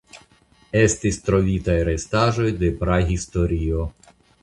Estis trovitaj restaĵoj de prahistorio.